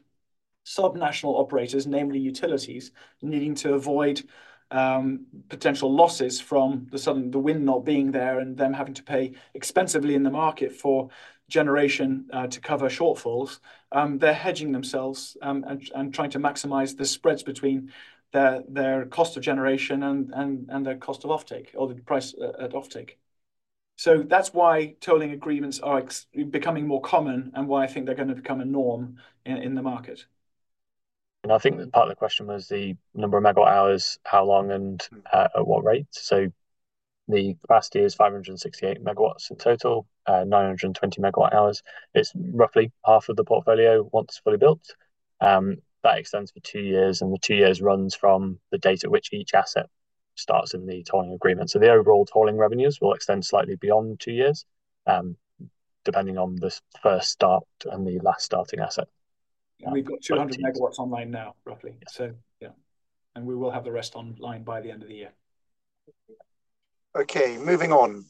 sub-national operators, namely utilities, needing to avoid potential losses from the wind not being there and them having to pay expensively in the market for generation to cover shortfalls. They're hedging themselves and trying to maximize the spreads between their cost of generation and their cost of offtake, or the price at offtake. So that's why tolling agreements are becoming more common and why I think they're gonna become a norm in the market. I think part of the question was the number of megawatt-hours, how long, and at what rate. The capacity is five hundred and 68 megawatts in total, 900 and 20 megawatt-hours. It's roughly half of the portfolio once fully built. That extends for two years, and the two years runs from the date at which each asset starts in the tolling agreement. The overall tolling revenues will extend slightly beyond two years, depending on the first start and the last starting asset. We've got 200 megawatts online now, roughly. Yes. Yeah, and we will have the rest online by the end of the year. Okay, moving on.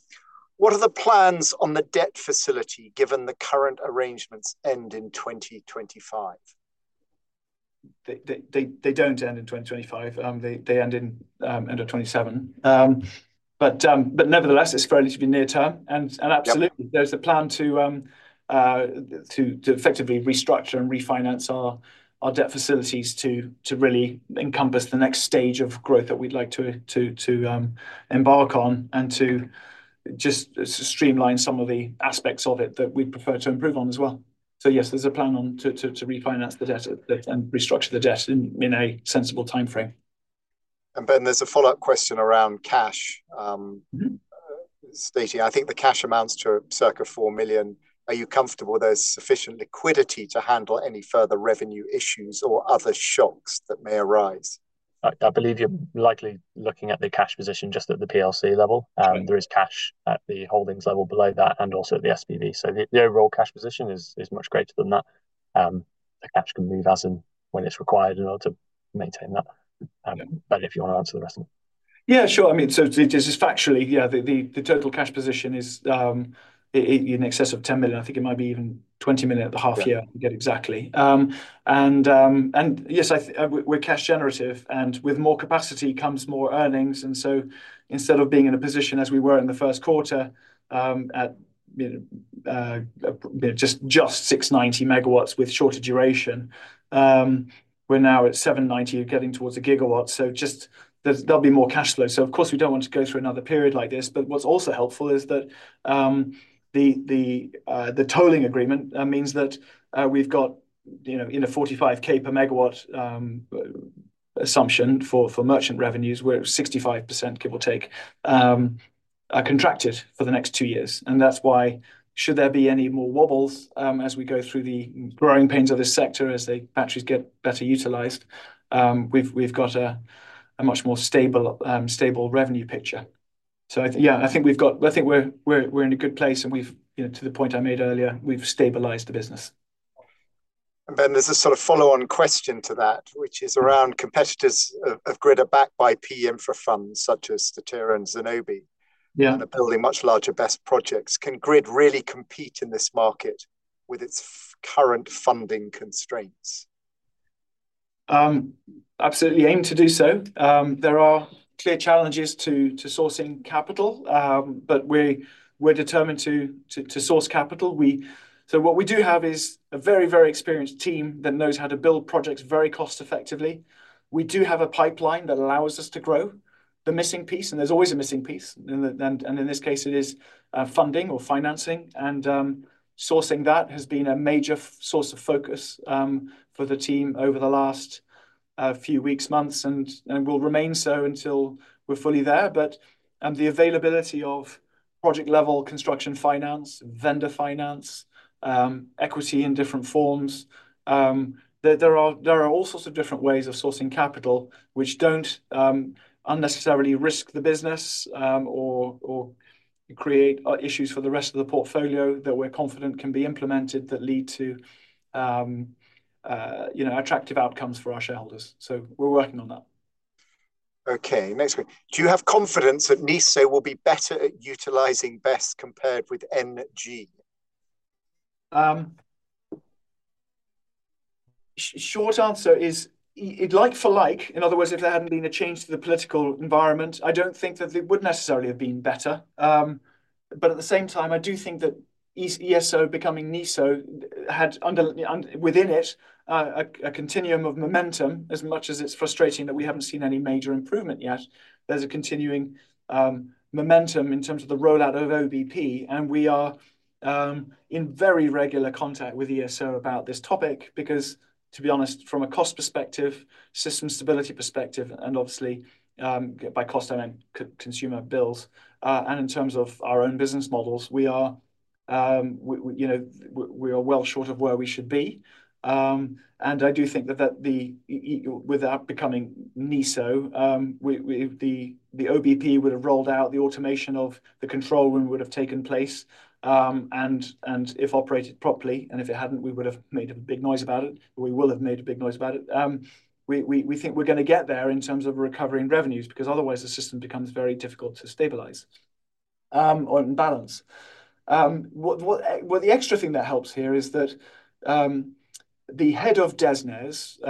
What are the plans on the debt facility, given the current arrangements end in 2025?... they don't end in 2025, they end in end of 2027. But nevertheless, it's fairly to be near term and- Yep. Absolutely, there's a plan to effectively restructure and refinance our debt facilities to really encompass the next stage of growth that we'd like to embark on, and to just streamline some of the aspects of it that we'd prefer to improve on as well. So, yes, there's a plan to refinance the debt and restructure the debt in a sensible timeframe. And Ben, there's a follow-up question around cash. Mm-hmm. stating, I think the cash amounts to circa £4 million. Are you comfortable there's sufficient liquidity to handle any further revenue issues or other shocks that may arise? I believe you're likely looking at the cash position just at the PLC level. That's right. There is cash at the holdings level below that and also at the SPV. So the overall cash position is much greater than that. The cash can move as and when it's required in order to maintain that. And Ben, if you wanna answer the rest. Yeah, sure. I mean, so just factually, yeah, the total cash position is in excess of 10 million. I think it might be even 20 million at the half year- Yeah... to get exactly. And yes, we're cash generative, and with more capacity comes more earnings, and so instead of being in a position as we were in the first quarter, at you know just 690 megawatts with shorter duration, we're now at 790, getting towards a gigawatt, so there'll be more cash flow. So, of course, we don't want to go through another period like this, but what's also helpful is that, the tolling agreement means that, we've got, you know, in a 45K per megawatt assumption for merchant revenues, we're at 65%, give or take, are contracted for the next two years, And that's why should there be any more wobbles, as we go through the growing pains of this sector, as the batteries get better utilized, we've got a much more stable revenue picture. So yeah, I think we've got. I think we're in a good place, and we've... You know, to the point I made earlier, we've stabilized the business. Ben, there's a sort of follow-on question to that, which is around competitors of Grid are backed by PE infra funds such as Statera and Zenobē- Yeah... are building much larger BESS projects. Can Grid really compete in this market with its current funding constraints? Absolutely aim to do so. There are clear challenges to sourcing capital, but we're determined to source capital. So what we do have is a very, very experienced team that knows how to build projects very cost effectively. We do have a pipeline that allows us to grow the missing piece, and there's always a missing piece, and in this case, it is funding or financing and sourcing that has been a major source of focus for the team over the last few weeks, months, and will remain so until we're fully there. The availability of project-level construction finance, vendor finance, equity in different forms. There are all sorts of different ways of sourcing capital which don't unnecessarily risk the business or create issues for the rest of the portfolio that we're confident can be implemented that lead to, you know, attractive outcomes for our shareholders, so we're working on that. Okay, next one. Do you have confidence that NESO will be better at utilizing BESS compared with NG? Short answer is like for like, in other words, if there hadn't been a change to the political environment, I don't think that it would necessarily have been better. But at the same time, I do think that ESO becoming NESO had within it a continuum of momentum. As much as it's frustrating that we haven't seen any major improvement yet, there's a continuing momentum in terms of the rollout of OBP, and we are in very regular contact with ESO about this topic, because, to be honest, from a cost perspective, system stability perspective, and obviously, by cost, I mean consumer bills, and in terms of our own business models, we, you know, we are well short of where we should be. And I do think that the...without becoming NESO, the OBP would have rolled out, the automation of the control room would have taken place, and if operated properly, and if it hadn't, we would have made a big noise about it, or we will have made a big noise about it. We think we're gonna get there in terms of recovering revenues, because otherwise, the system becomes very difficult to stabilize, or balance. Well, the extra thing that helps here is that, the head of DNOs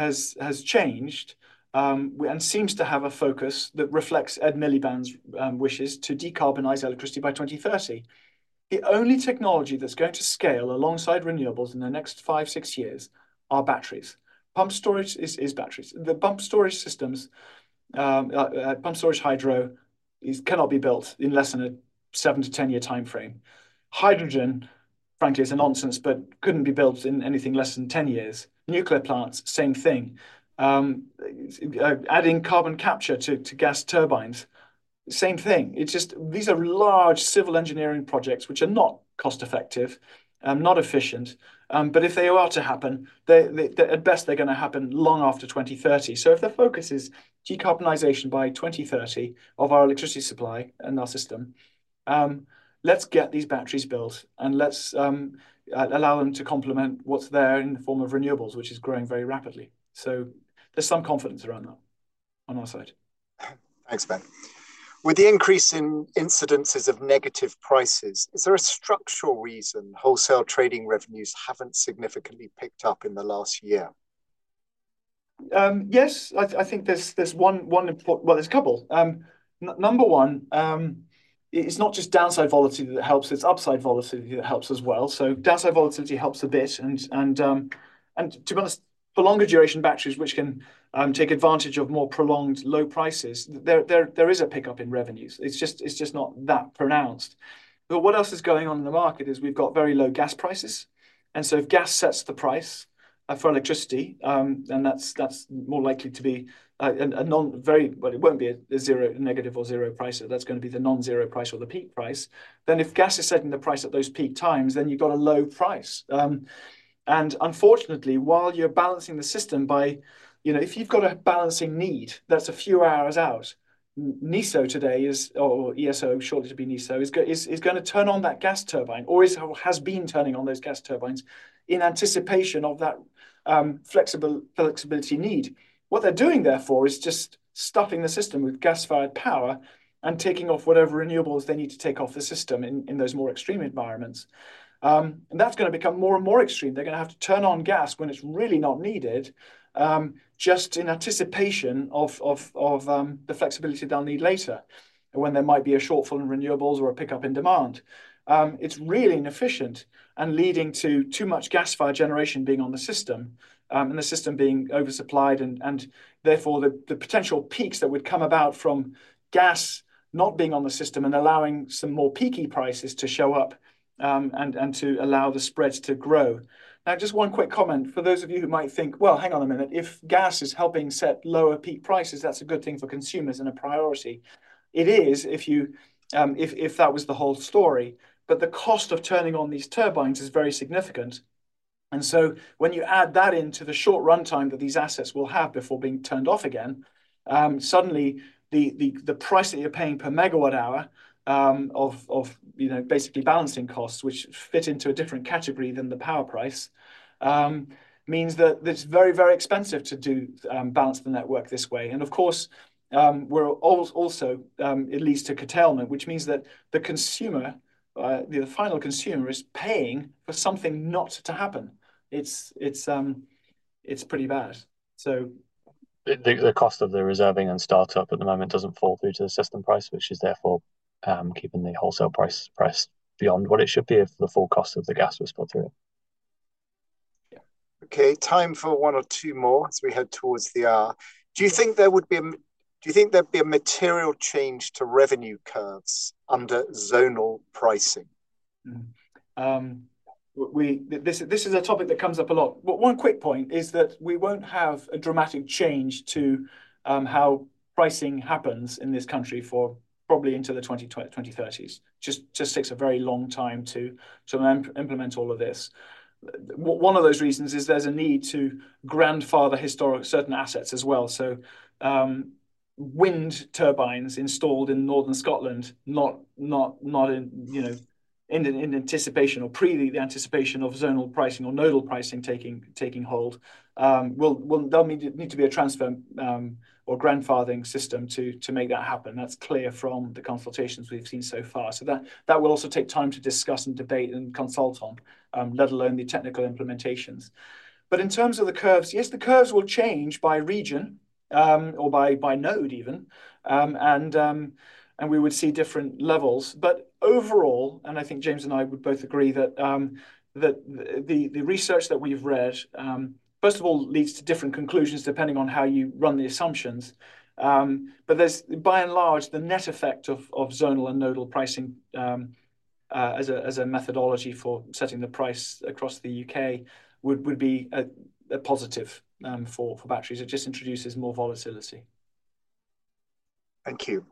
has changed, and seems to have a focus that reflects Ed Miliband's wishes to decarbonize electricity by twenty thirty. The only technology that's going to scale alongside renewables in the next five, six years are batteries. Pumped storage is batteries. The pumped storage systems, pumped storage hydro cannot be built in less than a 7 to 10 year timeframe. Hydrogen, frankly, is a nonsense, but couldn't be built in anything less than 10 years. Nuclear plants, same thing. Adding carbon capture to gas turbines, same thing. It's just these are large civil engineering projects which are not cost-effective, not efficient, but if they are to happen, they, at best, they're gonna happen long after 2030. So if the focus is decarbonization by 2030 of our electricity supply and our system, let's get these batteries built, and let's allow them to complement what's there in the form of renewables, which is growing very rapidly. So there's some confidence around that on our side.... Thanks, Ben. With the increase in incidences of negative prices, is there a structural reason wholesale trading revenues haven't significantly picked up in the last year? Yes, I think there's one. Well, there's a couple. Number one, it's not just downside volatility that helps, it's upside volatility that helps as well. So downside volatility helps a bit, and to be honest, for longer duration batteries, which can take advantage of more prolonged low prices, there is a pickup in revenues. It's just not that pronounced. But what else is going on in the market is we've got very low gas prices, and so if gas sets the price for electricity, then that's more likely to be a non-zero price. It won't be a zero, negative or zero price. So that's gonna be the non-zero price or the peak price. Then, if gas is setting the price at those peak times, then you've got a low price, and unfortunately, while you're balancing the system by... You know, if you've got a balancing need that's a few hours out, NESO today is, or ESO, shortly to be NESO, is gonna turn on that gas turbine or has been turning on those gas turbines in anticipation of that, flexibility need. What they're doing therefore is just stuffing the system with gas-fired power and taking off whatever renewables they need to take off the system in those more extreme environments, and that's gonna become more and more extreme. They're gonna have to turn on gas when it's really not needed, just in anticipation of the flexibility they'll need later, when there might be a shortfall in renewables or a pickup in demand. It's really inefficient and leading to too much gas-fired generation being on the system, and the system being oversupplied, and therefore, the potential peaks that would come about from gas not being on the system and allowing some more peaky prices to show up, and to allow the spreads to grow. Now, just one quick comment. For those of you who might think, "Well, hang on a minute, if gas is helping set lower peak prices, that's a good thing for consumers and a priority." It is, if that was the whole story, but the cost of turning on these turbines is very significant. And so when you add that into the short runtime that these assets will have before being turned off again, suddenly, the price that you're paying per megawatt hour of you know basically balancing costs, which fit into a different category than the power price, means that it's very, very expensive to do balance the network this way. And of course, it leads to curtailment, which means that the consumer, the final consumer is paying for something not to happen. It's pretty bad, so- The cost of the reservation and startup at the moment doesn't fall through to the system price, which is therefore keeping the wholesale price suppressed beyond what it should be if the full cost of the gas was put through. Yeah. Okay, time for one or two more as we head towards the hour. Do you think there'd be a material change to revenue curves under zonal pricing? This is a topic that comes up a lot. But one quick point is that we won't have a dramatic change to how pricing happens in this country for probably into the 2030. Just takes a very long time to implement all of this. One of those reasons is there's a need to grandfather historic certain assets as well. So, wind turbines installed in northern Scotland, not in anticipation or pre the anticipation of zonal pricing or nodal pricing taking hold, there'll need to be a transfer or grandfathering system to make that happen. That's clear from the consultations we've seen so far. So that will also take time to discuss and debate and consult on, let alone the technical implementations. But in terms of the curves, yes, the curves will change by region, or by node even, and we would see different levels. But overall, and I think James and I would both agree that the research that we've read first of all leads to different conclusions depending on how you run the assumptions. But there's, by and large, the net effect of zonal and nodal pricing as a methodology for setting the price across the UK would be a positive for batteries. It just introduces more volatility. Thank you.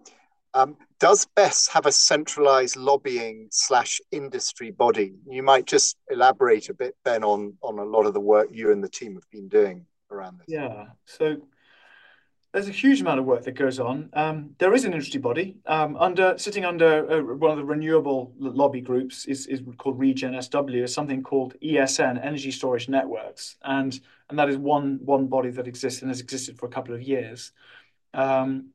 Does BESS have a centralized lobbying/industry body? You might just elaborate a bit, Ben, on a lot of the work you and the team have been doing around this. Yeah. So there's a huge amount of work that goes on. There is an industry body operating under one of the renewable lobby groups called Regen SW. There's something called ESN, Electricity Storage Network, and that is one body that exists and has existed for a couple of years.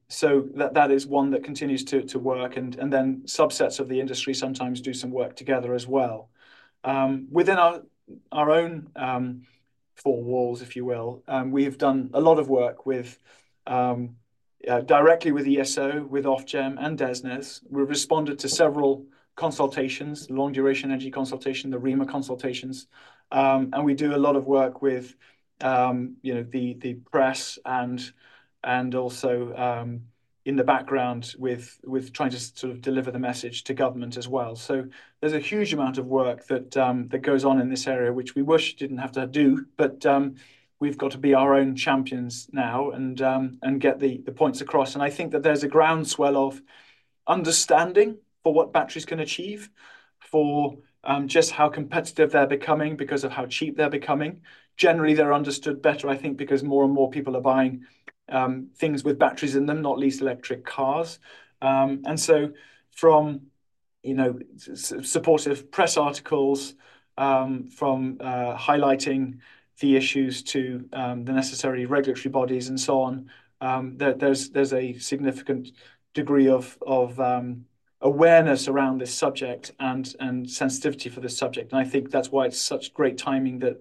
So that is one that continues to work, and then subsets of the industry sometimes do some work together as well. Within our own four walls, if you will, we've done a lot of work with directly with ESO, with Ofgem, and DESNZ. We've responded to several consultations, long-duration energy consultation, the REMA consultations, and we do a lot of work with, you know, the press and also in the background with trying to sort of deliver the message to government as well. So there's a huge amount of work that goes on in this area, which we wish didn't have to do, but we've got to be our own champions now, and get the points across. I think that there's a groundswell of understanding for what batteries can achieve, for just how competitive they're becoming because of how cheap they're becoming. Generally, they're understood better, I think, because more and more people are buying things with batteries in them, not least electric cars. And so from-... you know, supportive press articles, from highlighting the issues to the necessary regulatory bodies and so on, there's a significant degree of awareness around this subject and sensitivity for this subject. And I think that's why it's such great timing that,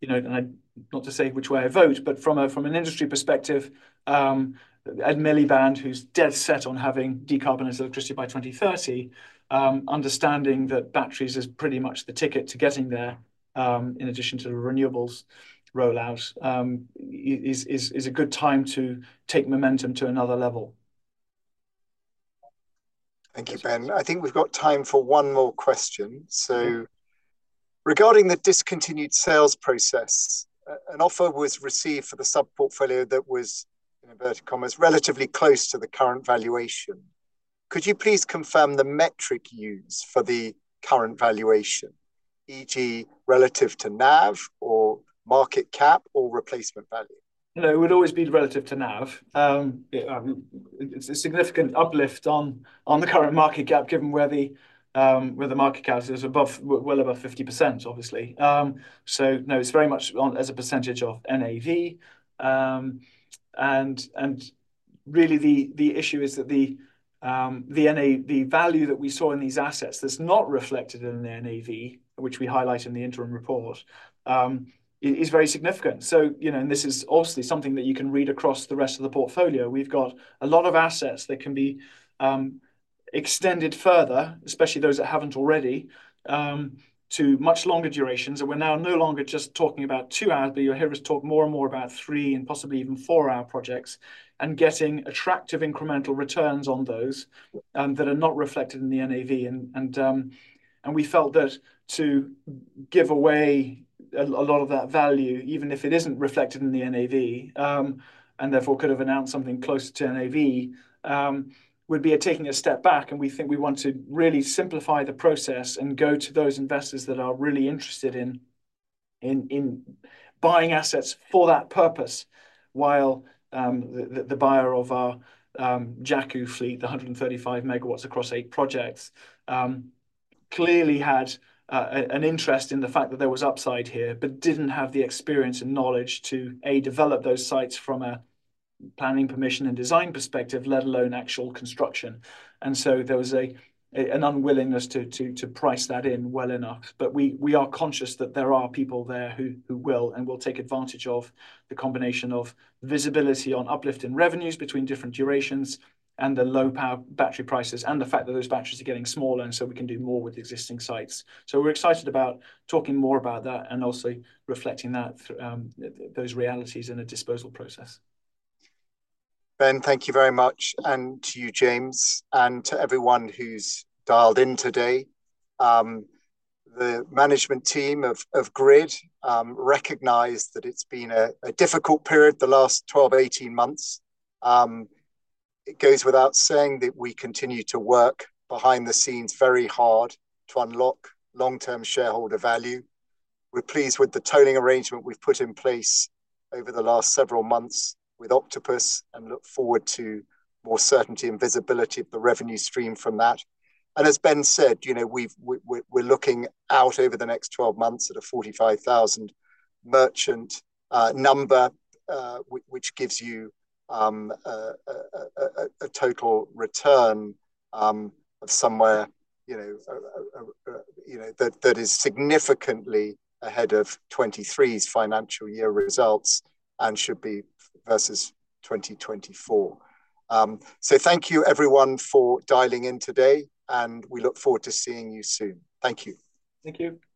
you know, and not to say which way I vote, but from a, from an industry perspective, Ed Miliband, who's dead set on having decarbonized electricity by 2030, understanding that batteries is pretty much the ticket to getting there, in addition to the renewables rollout, is a good time to take momentum to another level. Thank you, Ben. I think we've got time for one more question. So regarding the discontinued sales process, an offer was received for the sub-portfolio that was, in inverted commas, relatively close to the current valuation. Could you please confirm the metric used for the current valuation, e.g., relative to NAV or market cap or replacement value? You know, it would always be relative to NAV. Yeah, I mean, it's a significant uplift on, on the current market cap, given where the, where the market cap is, above, well above 50%, obviously. So no, it's very much on as a percentage of NAV. And, and really, the, the issue is that the, the NAV - the value that we saw in these assets that's not reflected in the NAV, which we highlight in the interim report, is, is very significant. So, you know, and this is obviously something that you can read across the rest of the portfolio. We've got a lot of assets that can be extended further, especially those that haven't already, to much longer durations, that we're now no longer just talking about two hours, but you'll hear us talk more and more about three and possibly even 4 hour projects, and getting attractive incremental returns on those, that are not reflected in the NAV. And we felt that to give away a lot of that value, even if it isn't reflected in the NAV, and therefore could have announced something closer to NAV, would be taking a step back, and we think we want to really simplify the process and go to those investors that are really interested in buying assets for that purpose. While the buyer of our JACU fleet, the 135 megawatts across eight projects, clearly had an interest in the fact that there was upside here, but didn't have the experience and knowledge to develop those sites from a planning, permission, and design perspective, let alone actual construction. And so there was an unwillingness to price that in well enough. But we are conscious that there are people there who will take advantage of the combination of visibility on uplift in revenues between different durations and the low-power battery prices, and the fact that those batteries are getting smaller, and so we can do more with the existing sites. So we're excited about talking more about that and also reflecting that through those realities in a disposal process. Ben, thank you very much, and to you, James, and to everyone who's dialed in today. The management team of Grid recognize that it's been a difficult period, the last 12 to 18 months. It goes without saying that we continue to work behind the scenes very hard to unlock long-term shareholder value. We're pleased with the tolling arrangement we've put in place over the last several months with Octopus, and look forward to more certainty and visibility of the revenue stream from that. As Ben said, you know, we're looking out over the next 12 months at a 45,000 merchant number, which gives you a total return of somewhere, you know, that is significantly ahead of 2023's financial year results and should be versus 2024. Thank you, everyone, for dialing in today, and we look forward to seeing you soon. Thank you. Thank you. Bye.